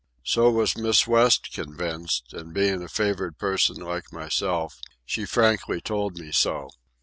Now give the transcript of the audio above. So was Miss West convinced, and, being a favoured person like myself, she frankly told me so.